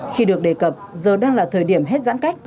khi được đề cập giờ đang là thời điểm hết giãn cách